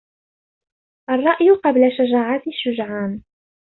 الرأي قبل شجاعة الشجعان